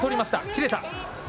切れた。